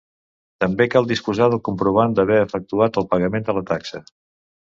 També cal disposar del comprovant d'haver efectuat el pagament de la taxa.